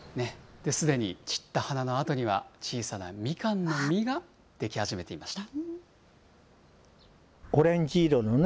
すでに散った花のあとには、小さなみかんの実が出来始めていました。